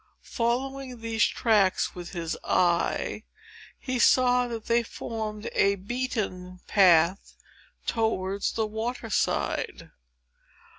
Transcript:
Following these tracks with his eye, he saw that they formed a beaten path towards the water side.